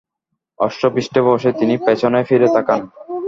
অশ্বপৃষ্ঠে বসেই তিনি পেছনে ফিরে তাকান।